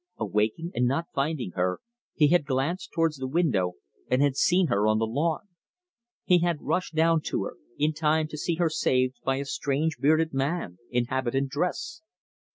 Awaking, and not finding her, he had glanced towards the window, and had seen her on the lawn. He had rushed down to her, in time to see her saved by a strange bearded man in habitant dress.